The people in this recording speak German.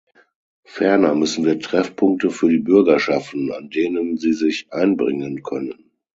Ferner müssen wir Treffpunkte für die Bürger schaffen, an denen sie sich einbringen können.